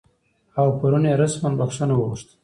او پرون یې رسما بخښنه وغوښته